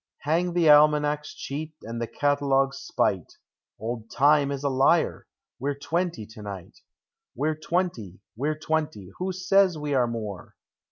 Hang the Almanac's cheat and the Catalogue's spite ! Old Time is a liar! We 're twenty to night! We're twenty! We're twenty! Who says we are more?